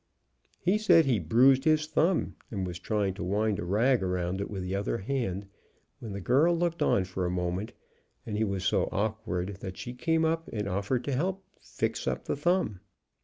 He said he bruised his thumb and was trying to wind a rag around it with the other hand, when the girl looked on for a moment, and he was so awkward that she came up and offered to help fix up the thumb.